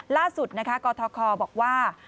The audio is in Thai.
ล่าสุดกศธชบอกว่า